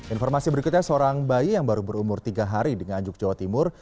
informasi berikutnya seorang bayi yang baru berumur tiga hari di nganjuk jawa timur